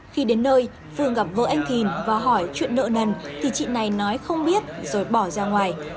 khi đến nơi phương gặp vợ anh thìn và hỏi chuyện nợ nần thì chị này nói không biết rồi bỏ ra ngoài